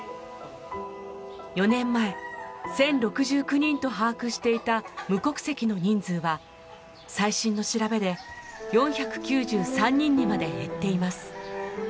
４年前１０６９人と把握していた無国籍の人数は最新の調べで４９３人にまで減っています。